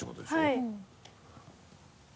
はい。